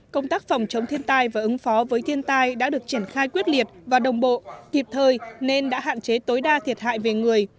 công tác phòng chống thiên tai và ứng phó với thiên tai đã được triển khai quyết liệt và đồng bộ kịp thời nên đã hạn chế tối đa thiệt hại về người